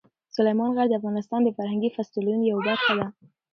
سلیمان غر د افغانستان د فرهنګي فستیوالونو یوه برخه ده.